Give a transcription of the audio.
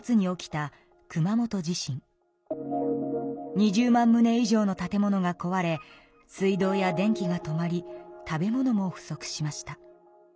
２０万むね以上の建物がこわれ水道や電気が止まり食べ物も不足しました。